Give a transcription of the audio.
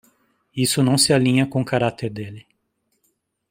Isso não se alinha com o cárater dele.